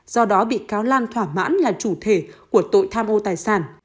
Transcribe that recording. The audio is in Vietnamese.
do đó bị cáo lan thỏa mãn là chủ thể của tội tham ô tài sản